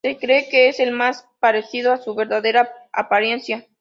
Se cree que es el más parecido a su verdadera apariencia.